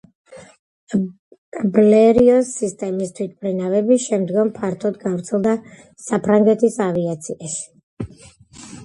ბლერიოს სისტემის თვითმფრინავები შემდგომ ფართოდ გავრცელდა საფრანგეთის ავიაციაში.